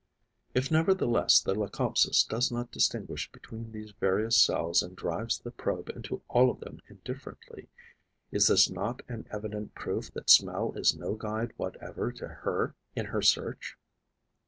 If nevertheless the Leucopsis does not distinguish between these various cells and drives the probe into all of them indifferently, is this not an evident proof that smell is no guide whatever to her in her search?